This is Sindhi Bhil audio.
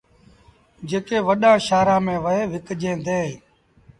جيڪي وڏآݩ شآهرآݩ ميݩ وهي وڪجيٚن ديٚݩ۔